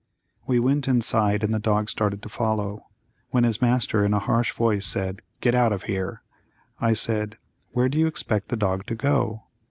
We went inside and the dog started to follow, when his master in a harsh voice said, "get out of here." I said, "where do you expect the dog to go?"